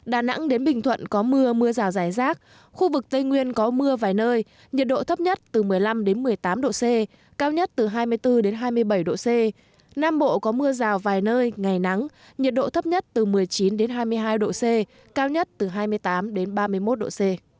đà nẵng đến bình thuận có mưa mưa rào rải rác khu vực tây nguyên có mưa mưa rào rải rác khu vực tây nguyên có mưa vài nơi nhiệt độ thấp nhất từ một mươi chín đến hai mươi một độ c